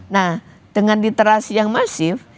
nah dengan literasi yang masif